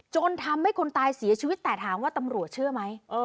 จนทำให้คนตายเสียชีวิตแต่ถามว่าตำรวจเชื่อไหม